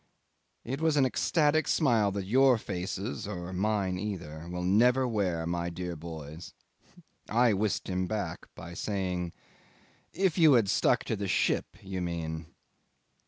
It was an ecstatic smile that your faces or mine either will never wear, my dear boys. I whisked him back by saying, "If you had stuck to the ship, you mean!"